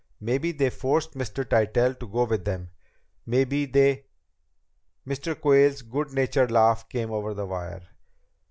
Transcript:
"Maybe they forced Mr. Tytell to go with them! Maybe they ..." Mr. Quayle's good natured laugh came over the wire.